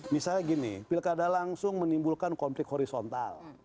misalnya gini pilkada langsung menimbulkan konflik horizontal